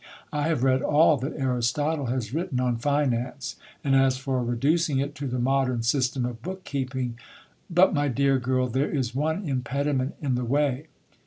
I have read all that Aristotle has written on finance ; and as for reducing it to the modern s\ stem of book keeping But, my dear girl, there is one impediment in the way.